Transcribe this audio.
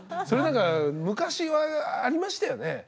それだから昔はありましたよね。